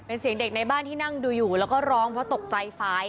เป็นเสียงเด็กในบ้านที่นั่งดูอยู่แล้วก็ร้องเพราะตกใจไฟ